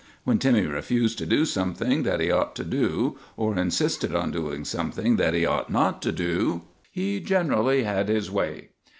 When Timmy refused to do something that he ought to do, or insisted on doing something that he ought not to do, he generally had his way.